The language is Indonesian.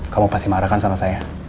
kamu pasti marahkan sama saya